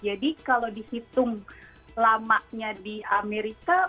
jadi kalau dihitung lamanya di amerika